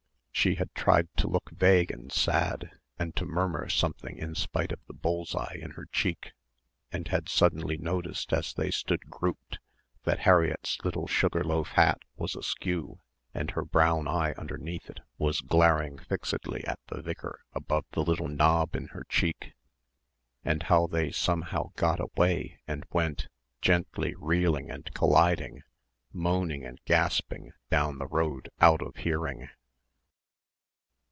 She had tried to look vague and sad and to murmur something in spite of the bull's eye in her cheek and had suddenly noticed as they stood grouped that Harriett's little sugar loaf hat was askew and her brown eye underneath it was glaring fixedly at the vicar above the little knob in her cheek and how they somehow got away and went, gently reeling and colliding, moaning and gasping down the road out of hearing.